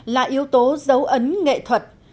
là yếu tố dấu ấn nghệ thuật